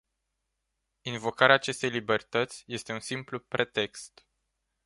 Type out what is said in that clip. Invocarea acestei libertăți este un simplu pretext.